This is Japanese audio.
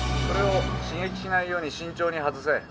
それを刺激しないように慎重に外せ。